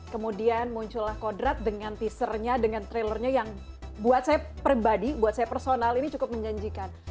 kemudian muncullah kodrat dengan teasernya dengan trailernya yang buat saya pribadi buat saya personal ini cukup menjanjikan